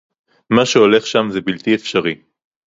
מה שהולך שם זה בלתי אפשרי